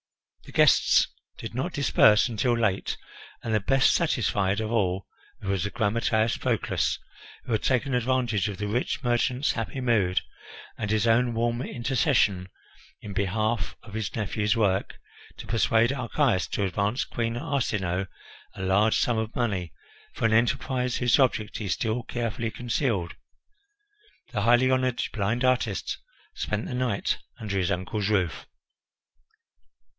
The guests did not disperse until late, and the best satisfied of all was the grammateus Proclus, who had taken advantage of the rich merchant's happy mood, and his own warm intercession in behalf of his nephew's work, to persuade Archias to advance Queen Arsinoe a large sum of money for an enterprise whose object he still carefully concealed. The highly honoured blind artist spent the night under his uncle's roof.